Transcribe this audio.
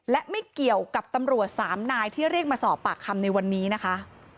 และไม่เกี่ยวกับตำรวจสามนายที่เรียกมาสอบปากคำในวันนี้นะคะ